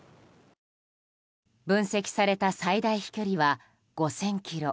分析された最大飛距離は５０００ｋｍ。